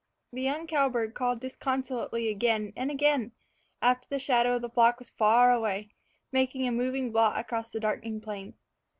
The young cowbird called disconsolately again and again after the shadow of the flock was far away, making a moving blot across the darkening plains.